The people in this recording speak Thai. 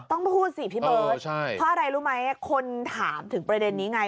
ต้องพูดสิพี่เบิร์ตเพราะอะไรรู้ไหมคนถามถึงประเด็นนี้ไง